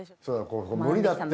無理だって。